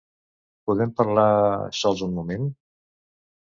Podem parlar sols un moment?